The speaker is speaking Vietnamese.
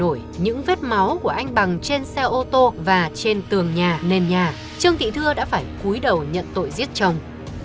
tại nỗi những vết máu của anh bằng trên xe ô tô và trên tường nhà nền nhà trương thị thừa đã phải cúi đầu nhận tội giết chồng